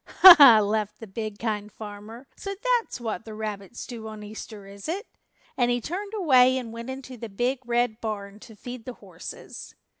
"Ha, ha," laughed the big Kind Farmer, "so that's what the rabbits do on Easter, is it?" and he turned away and went into the Big Red Barn to feed the horses.